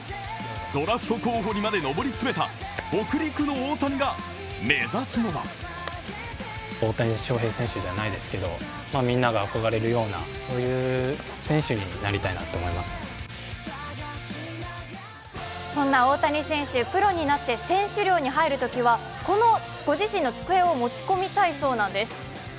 ドラフト候補にまで上り詰めた北陸の大谷が目指すのはそんな大谷選手、プロに入って選手寮に入るときはこのご自身の机を持ち込みたいそうなんです。